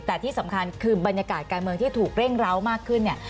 แต่ที่สำคัญคือบรรยากาศการเมืองที่ถูกเร่งร้าวมากขึ้นเนี่ย